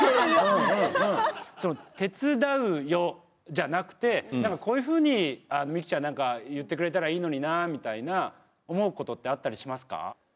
「手伝うよ」じゃなくてなんか、こういうふうにみきちゃんなんか言ってくれたらいいのになみたいな思うことってあったりしますか？